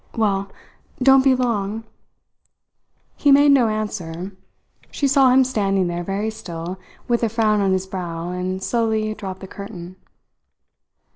"Well, don't be long." He made no answer. She saw him standing there, very still, with a frown on his brow, and slowly dropped the curtain.